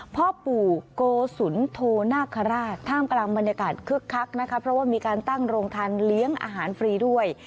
พ่อปู่โกสุนโทนาคาราชท่ามกลางบรรยากาศคึกคักนะคะเพราะว่ามีการตั้งโรงทานเลี้ยงอาหารฟรีด้วย